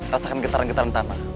rasakan gitaran gitaran tanah